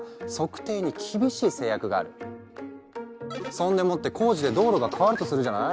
そんでもって工事で道路が変わるとするじゃない？